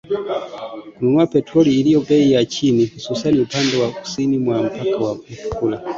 kununua petroli iliyo bei ya chini , hususan upande wa kusini mwa mpaka wa Mutukula